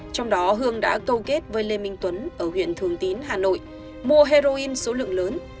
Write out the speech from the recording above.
trong đó hương đã câu kết với lê minh tuấn ở huyện thường tín hà nội mua heroin số lượng lớn